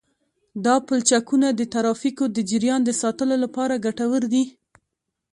دا پلچکونه د ترافیکو د جریان د ساتلو لپاره ګټور دي